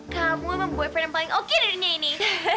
kamu memang boyfriend yang paling oke di dunia ini